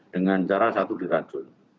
dengan cara satu diracun